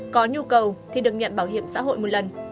có nhu cầu thì được nhận bảo hiểm xã hội một lần